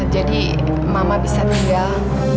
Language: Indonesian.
jadi mama bisa tinggal